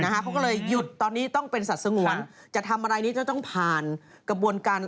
เขาก็เลยหยุดตอนนี้ต้องเป็นสัตว์สงวนจะทำอะไรนี้จะต้องผ่านกระบวนการ